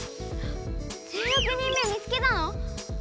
１６人目見つけたの？